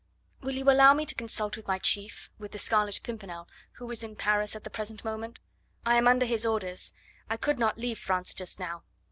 "Will you allow me to consult with my chief, with the Scarlet Pimpernel, who is in Paris at the present moment? I am under his orders; I could not leave France just now.